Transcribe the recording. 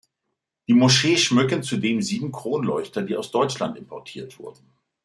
Die Moschee schmücken zudem sieben Kronleuchter, die aus Deutschland importiert wurden.